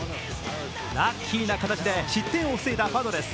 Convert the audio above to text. ラッキーな形で失点を防いだパドレス。